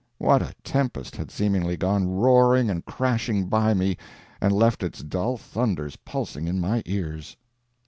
What a tempest had seemingly gone roaring and crashing by me and left its dull thunders pulsing in my ears!